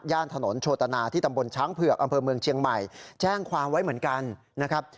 ถนนโชตนาที่ตำบลช้างเผือกอำเภอเมืองเชียงใหม่แจ้งความไว้เหมือนกันนะครับ